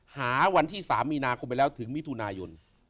หาวันที่๓มีนาคมไปแล้วถึงมิถุนายน